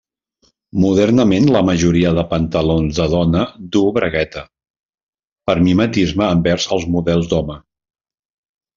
Modernament la majoria de pantalons de dona duu bragueta, per mimetisme envers els models d'home.